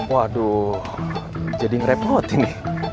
waduh jadi ngerepot ini